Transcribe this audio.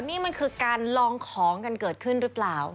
นี่มันคือการลองของกันเกิดขึ้นหรือเปล่า